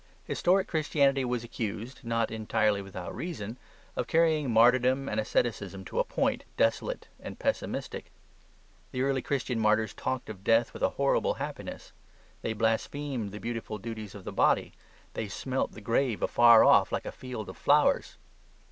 Historic Christianity was accused, not entirely without reason, of carrying martyrdom and asceticism to a point, desolate and pessimistic. The early Christian martyrs talked of death with a horrible happiness. They blasphemed the beautiful duties of the body: they smelt the grave afar off like a field of flowers.